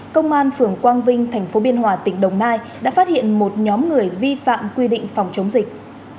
công an phường quang vinh tp biên hòa tỉnh đồng nai đã phát hiện một nhóm người vi phạm quy định phòng chống dịch